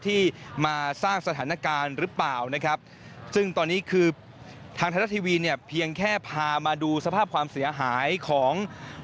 ที่มาสร้างสถานการณ์หรือเปล่านะครับซึ่งตอนนี้คือทางไทยรัฐทีวีเนี่ยเพียงแค่พามาดูสภาพความเสียหายของ